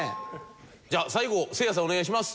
じゃあ最後せいやさんお願いします。